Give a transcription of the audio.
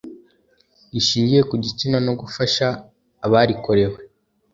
rishingiye ku gitsina no gufasha abarikorewe